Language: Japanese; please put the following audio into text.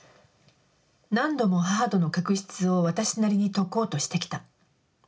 何度も母との確執をわたしなりに解こうとしてきた。